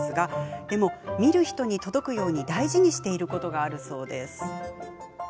でも、見る人に届くように大事にしていることがあるそうです。